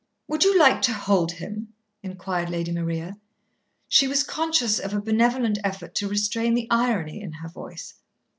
"Would you like to hold him?" inquired Lady Maria. She was conscious of a benevolent effort to restrain the irony in her voice.